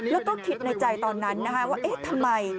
แล้วก็คิดในใจตอนนั้นนะคะว่าเอ๊ะทำไม